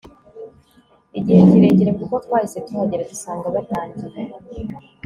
igihe kirekire kuko twahise tuhagera dusanga batangiye